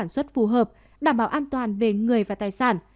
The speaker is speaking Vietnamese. để sản xuất phù hợp đảm bảo an toàn về người và tài sản